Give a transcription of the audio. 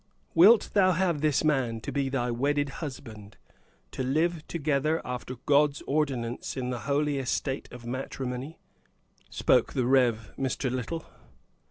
"Wilt thou have this man to be thy wedded husband, to live together after God's ordinance, in the holy estate of matrimony?" spoke the Rev. Mr. Little.